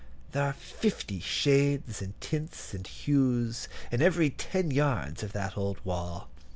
There are fifty shades and tints and hues in every ten yards of that old wall.